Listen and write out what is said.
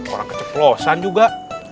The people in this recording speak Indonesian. orang keceplosan juga